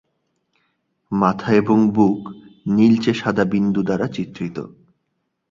মাথা এবং বুক নীলচে সাদা বিন্দু দ্বারা চিত্রিত।